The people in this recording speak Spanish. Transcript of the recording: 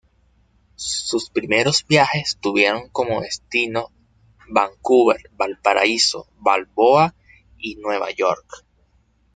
Sus primeros viajes tuvieron como destino Vancouver, Valparaíso, Balboa y Nueva York.